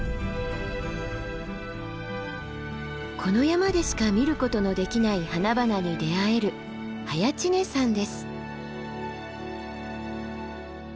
この山でしか見ることのできない花々に出会える早池峰山です。